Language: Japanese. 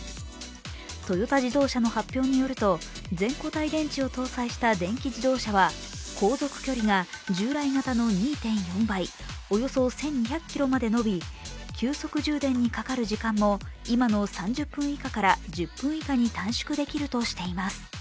トヨタ自動車の発表によると全固体電池を搭載した電気自動車は航続距離が従来型の２．４倍、およそ１２００ｋｍまで延び急速充電にかかる時間も今の３０分以下から、１０分以下に短縮できるとしています。